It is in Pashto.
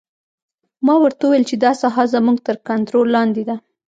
ما ورته وویل چې دا ساحه زموږ تر کنترول لاندې ده